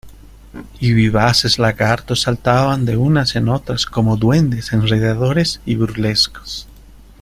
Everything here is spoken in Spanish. y vivaces lagartos saltaban de unas en otras como duendes enredadores y burlescos.